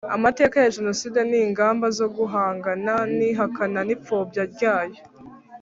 amateka ya Jenoside n’ ingamba zo guhangana n’ihakana n’ipfobya ryayo